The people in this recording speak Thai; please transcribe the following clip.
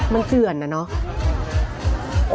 มันเจื่อนนะเนาะ